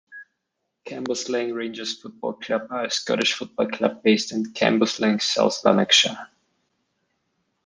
Cambuslang Rangers Football Club are a Scottish football club based in Cambuslang, South Lanarkshire.